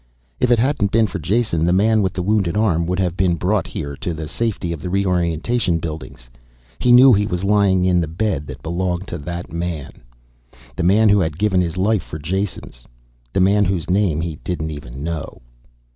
If it hadn't been for Jason, the man with the wounded arm would have been brought here to the safety of the reorientation buildings. He knew he was lying in the bed that belonged to that man. The man who had given his life for Jason's. The man whose name he didn't even know.